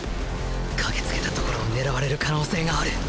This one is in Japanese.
駆けつけたところを狙われる可能性がある！